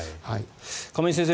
亀井先生